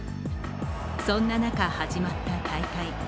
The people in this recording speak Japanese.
そんな中、始まった大会。